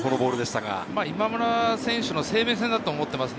今村選手の生命線だと思っています。